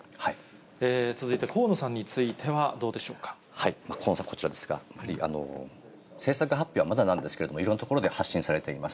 続いて、河野さんについては河野さん、こちらですが、政策発表はまだなんですけれども、いろんなところで発信されています。